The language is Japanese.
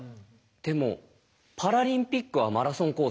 でもパラリンピックはマラソンコース